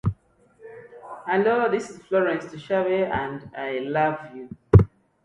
Heiko Becher.